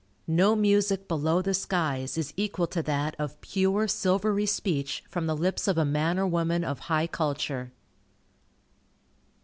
No music below the skies is equal to that of pure, silvery speech from the lips of a man or woman of high culture.